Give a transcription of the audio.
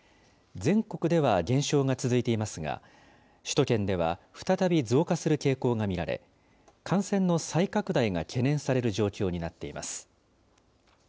全国では減少が続いていますが、首都圏では再び増加する傾向が見られ、感染の再拡大が懸念される状況になっています。